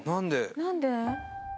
何で？